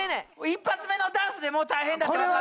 一発目のダンスでもう大変だって分かる！